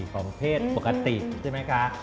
ของเพศปกติใช่ไหมคะ